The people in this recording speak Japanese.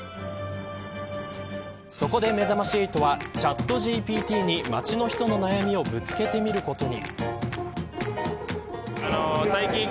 そこでめざまし８はＣｈａｔＧＰＴに街の人の悩みをぶつけてみることに。